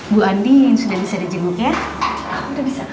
bu andin sudah bisa di jemput ya